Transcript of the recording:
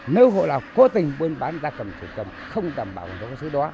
nếu hộ nào cố tình buôn bán gia cầm trực bán không đảm bảo nguồn gốc xuất xứ đó